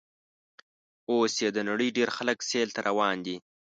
اوس یې د نړۍ ډېر خلک سیل ته روان دي.